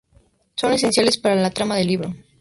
Son esenciales para la trama del libro.